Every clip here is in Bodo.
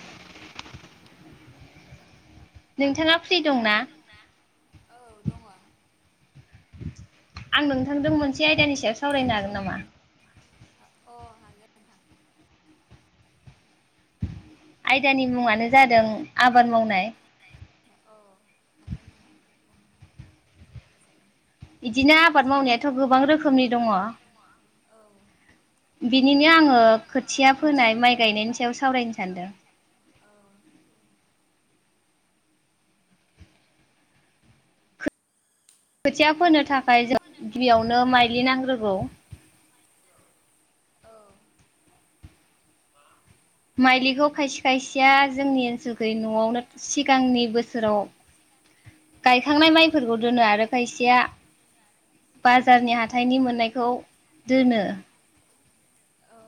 हेलौ। नोंथाङा फ्रि दंना? औ दङ आं नोंथांदों आं मोनसे नोंथांजों आयदानि सायाव मोनसे सावरायनो आयदानि हागोन सायाव नामा? सावरायनो अ हागोन नोंथां आयदानि मुङानो जादों आबाद मावनाय। जादों आबाद औ हागोन नोंथां बुं सावरायजागोन बिदिनो आबाद मावनाया थ गोबां रोखोमनि दङ बिनिनो आङो खोथिया फोनाय माइ गायनायनि सायाव सावरायनो सानदों खोथिया फोनो खोथिया थाखाय जों फोनो थाखाय गिबियावनो जोंनो माइलिनांग्रोगौ गिबियावनो माइ नांगौ औ माइलिखौ खायसे खायसेया जोंनि माइलिखौ खायसे ओनसोलखै नआवनो खायसेया सिगांनि जोंनि बोसोराव सिगांनि गायखांनाय बोसोराव माइफोरखौ दोनो आरो गायखांनाय खायसेया माइफोरखौ दोनो आरो खायसेया बाजारनि हाथाइनि मोननायखौ बाजारनि हाथाइनि दोनो मोननायखौ औ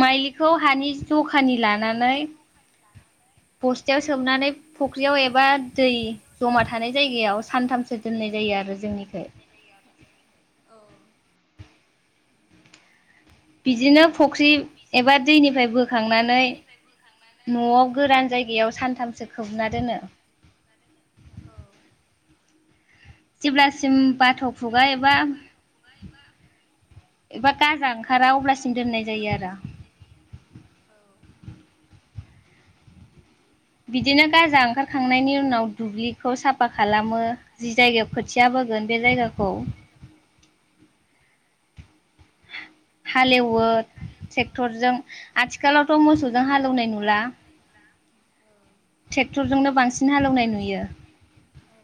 माइलिखौ हानि जखानि माइखौ हानि लानानै जखानि लानानै बस्थायाव सोमनानै फख्रियाव बस्थायाव एबा सोमनानै दै फुख्रियाव जमा थानाय एबा दै जमा जायगायाव सानथाम सो थानाय दोननाय जायो जायगायाव आरो सानथामसो जोंनिखै दोननाय जायो आरो जोंनिखै बिदिनो फुख्रि बिदिनो एबा फुख्रि दैनिफ्राय एबा बोखांनानै दैनिफ्राय बोखांनानै नआव गोरान जायगायाव न'आव सानथामसो गोरान खोबना जायगायाव दोनो सानथामसो खोबना दोनो औ जेब्लासिम बाथ खुगा जेब्लासिम एबा बाथ' खुगा एबा एबा गाजा ओंखारा एबा अब्लासिम गाजा दोननाय ओंखारा जायो आरो अब्लासिम दोननाय जायो आरो औ बिदिनो गाजा बिदिनो गाजा ओंखारखांनायनि उनाव ओंखारखांनायनि दुब्लिखौ उनाव साफा दुब्लिखौ खालामो साफा जि खालामो जायगायाव जि खोथिया जायगायाव बोगोन बे खोथिया जायगाखौ फोगोन बे जायगाखौ हालेवो हालेवो ट्रेक्टरजों ट्रेक्टरजों आथिखालावथ मोसौजों आथिखालावथ' हालेवनाय मोसौजों नुला हालेवनाय नुला ट्रेक्टरजोंनो बांसिन ट्रेक्टरजोंनो हालौनाय बांसिन नुयो हालेवनाय नुयो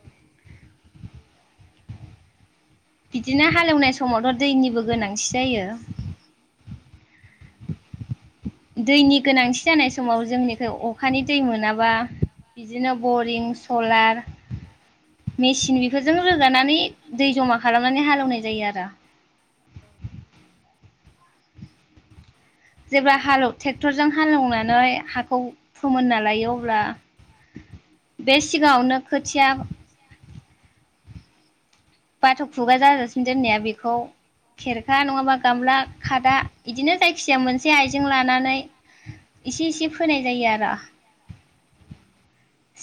बिदिनो हालेवनाय बिदिनो समावथ हालेवनाय दैनिबो समावथ' गोनांथि दैनिबो जायो गोनांथि जायो दैनि गोनांथि दैनि जानाय गोनांथि समाव जानाय जोंनिखै समाव अखानि जोंनिखौ दै अखानि मोनाबा दै मोनाबा बिदिनो बरिं बरिं सलार बा मेसिन बेफोरजों मेचिननिखौ रोगानानै दै रोगानानै जमा दै खालामनानै जमा हालेवनाय खालामनानै जायो आरो जेब्ला हालौ ट्रेक्टरजों हालेवनानै हाखौ फोमोनना लायो अब्ला बे सिगाङावनो खोथिया सिगाङावनो खोथिया बाथ खुगा जाजासिम दोननाया बेखौ खेरखा नङाबा गामला खादा इदिनो जायखिजाया मोनसे आइजें लानानै सिगाङावनो इसे इसे फोनाय जायो आरो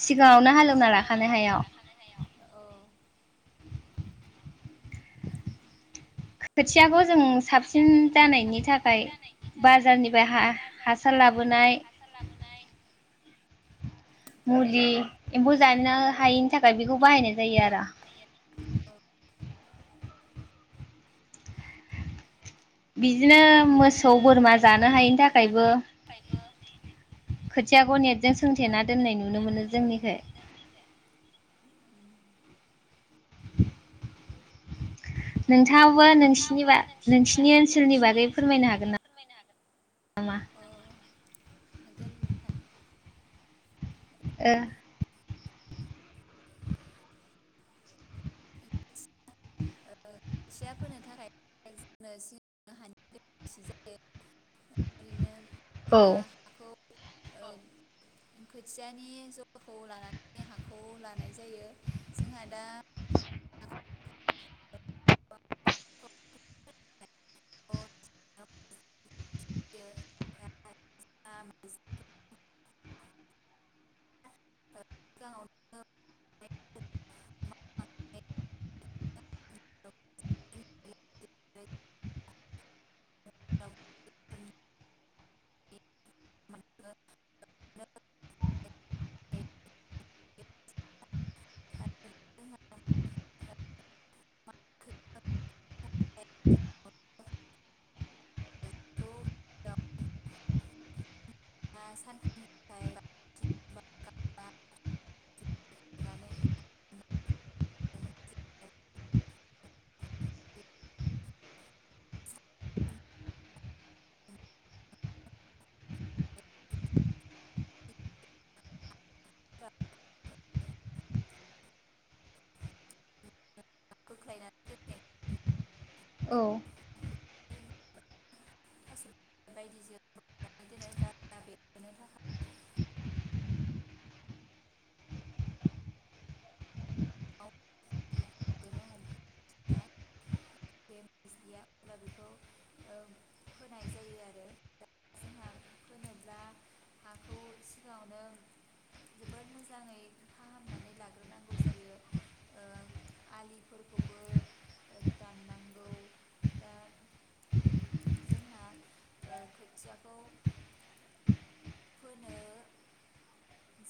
सि गाङावनो हालेवना लाखानाय हालेवना हायाव लाखानाय हायाव खोथिया बो जों साबसिन खोथियाखौ जों जानायनि साबसिन थाखाय जानायनि थाखाय बाजारनिफ्राय हा-हासार बाजारनिफ्राय हा लाबोनाय हासार लाबोनाय मुलि एम्फौ जानो हायिनि थाखाय बेखौ बाहायनाय जायो आरो बिदिनो मोसौ बिदिनो बोरमा मोसौ जानो हायिनि बोरमा जानो थाखायबो हायिनि थाखायबो खोथिय खोथियाखौ नेटजों खोथियाखौ सोंथेना दोननाय नुनो मोनो दोननाय नुनो जोंनिखै मोनो जोंनिथिंजाय नोंथाङाबो नोंसि नोंथाङाबो नोंसिबा नोंसिनि ओनसोलनि फोरमायनो हागोन बागै नामा? फोरमायनो हागोन नामा? ओ खोथिया फोनो थाखाय जोंनो सिगांनो हानि गोनांथि जायो ओरैनो ओ जोंहा हाखौ ओ खोथियानि जखाखौ लानानै हाखौ लानाय जायो जोंहा दा [unintelligible] सिगाङावनो [unintelligible] [unintelligible] [unintelligible] [unintelligible] [unintelligible] सानथामनि थाखाय [unintelligible] बोख्लायनानै दोनाय [unintelligible] औ बेबायायदिजों [unintelligible] थाखाय [unintelligible] बेमस गैया अब्ला बेखौ ओ फोनाय जायो आरो जोंहा फोनोब्ला हाखौ सिगाङावनो जोबोद मोजाङै फाहामनानै लाग्रोनांगौ जायो ओ आलिफोरखौबो ओ दाननांगौ दा जोंहा ओ खोथियाखौ फोनो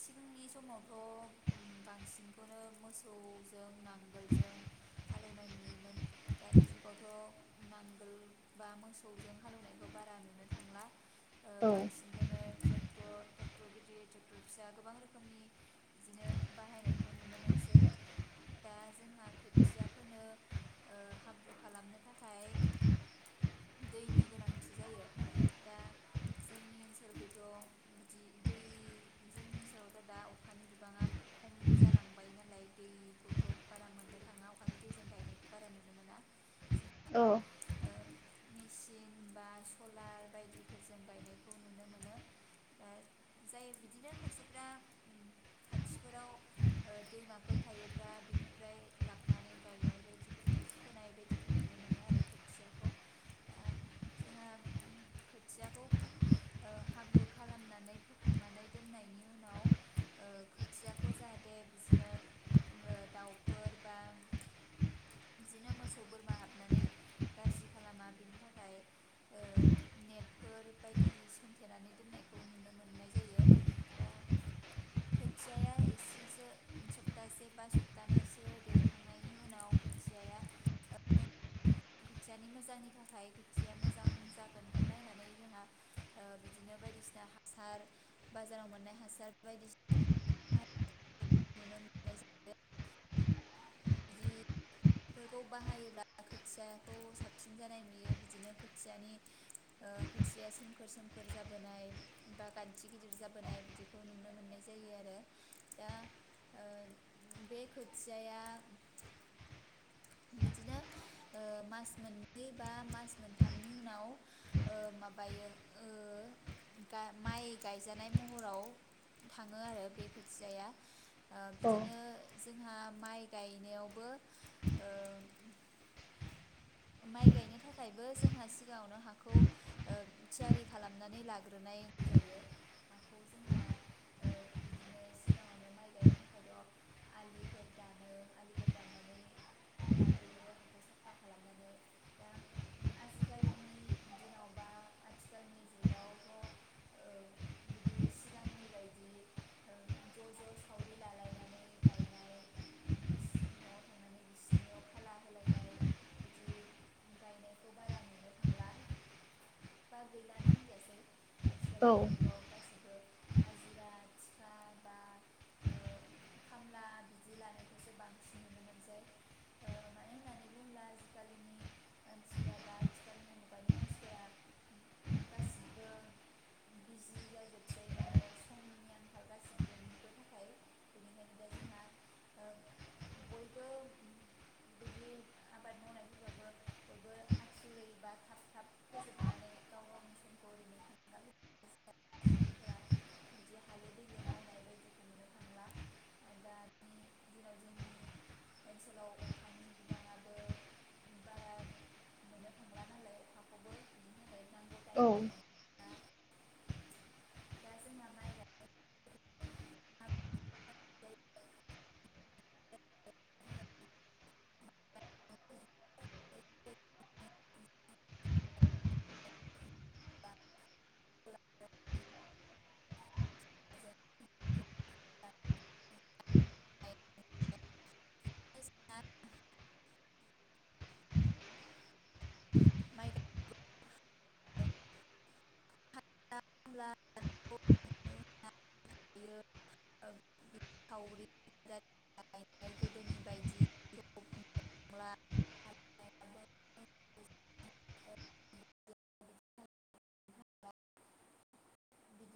सिगांनि समावथ ओ बांसिनखौनो मोसौजों नांगोलजों हालेवनाय नुयोमोन। दानि जुगावथ नांगोल बा मोसौजों हालेवनायखौ बारा नुनो थांला औ बांसिनखौनो ट्रेक ट्रेक्टर गिदिर ट्रेक्टर फिसा गोबां रोखोमनि बिदिनो बाहायनायखौ नुनो मोनसै दा जोंहा खोथिया फोनो ओ हाब्रु खालामनो थाखाय दैनि गोनांथि जायो दा जोंनि ओनसोलखौथ बिदि दै जोंनि ओनसोलावथ दा अखानि बिबाङा खम जालांबाय नालाय दैखौथ बारा मोननो थाङा अखानि दैजों गायनाय बारा नुनो मोना ज औ मेचिन बा सलार बायदिफोरजों गायनायखौ नुनो मोनो दा जाय बिदिनो खायसेफ्रा खाथिफोराव ओ दैमाफोर थायोब्ला बिनिफ्राय लाबोनानै गायनाय बायदिफोरखौ फोनाय बायदिखौ नुनो मोनो आरो खोथियाखौ दा जोंहा ओ खोथियाखौ ओ हाब्रु खालामनानै फोखांनानै दोननायनि उनाव ओ खोथियाखौ जाहाथे बिदिनो ओ दाउफोर बा बिदिनो मोसौ बोरमा हाबनानै गाज्रि खालामा बिनि थाखाय ओ नेटफोर बायदि सोंथेनानै दोननायखौ नुनो मोननाय जायो दा खोथियाया एसेसो सप्तासे बा सप्तानैसो देरखांनायनि उनाव खोथियाया ओ अ खोथियानि मोजांनि थाखाय खोथिया मोजां जागोनखौ नायनानै जोंहा ओ बिदिनो बायदिसिना हासार बाजाराव मोननाय हासार बायदिसिना हासारखौ हाय नुनो मोननाय जायो। बिदिफोरखौ बाहायोब्ला खोथियाखौ साबसिन जानाय नुयो बिदिनो खोथियानि ओ खोथिया सोमखोर सोमखोर जाबोनाय बा गान्थि गिदिर जाबोनाय बिदिखौ नुनो मोननाय जायो आरो दा ओ बे खोथियाया बिदिनो ओ मास मोननै बा मास मोनथामनि उनाव माबायो ओ माइ गायजानाय महराव थाङो आरो बे खोथियाया ओ बिदिनो जोंहा माइ गायनायावबो ओ माइ गायनो थाखायबो जोंहा सिगाङावनो हाखौ ओ थियारि खालामनानै लाग्रोनांगौ जायो हाखौ जोंहा ओ बिदिनो सिगाङावनो माइ गायनो थाखायथ आलिफोर दानो आलिफोर दाननानै लाग्रोयो हाखौ साफा खालामो नानै दा आजिखालिनि दिनाव बा आथिखालनि जुगाव थ ओ बिदि सिगांनि बायदि ओ ज ज सावरि लालायनानै गायनाय बिसिनि नआव थांनानै बिसिनियाव खाला होलायनाय बिदि गायनायखौ बारा नुनो थांला बा गैलानो होनजासै। औ आजिखालिनि जुगाव गासिबो हाजिरा थिखा बा ओ खामला बिदि लानायखौसो बांसिन नुनो मोनसै ओ मानो होननानै बुङोब्ला आथिखालनि मानसिफोरा बा आथिखालनि मुगानि मानसिफोरा ओ गासिबो बिजि जाजोबसै माने समनि आंखाल गासैबोनि थाखाय बेनिखायनो दा जोंहा ओ बयबो बिदि आबाद मावनाय फ्राबो बयबो आथुरै बा थाब थाब फोजोबनानै गाव गावनि समखौ ओरैनो थांगार होला सुबुंफोरा बिदि हालो दैलो मावनाय बायदिखौ नुनो थांला दानि दिनाव जोंनि ओनसोलाव अखानि बिबाङाबो बारा मोननो थांला नालाय हाखौबो बिदिनि थाखायबो औ दा जोंहा माय गाय गायनाय [inaudible] [unintelligible] औ [unintelligible] [inaudible] [unintelligible] बिदिनो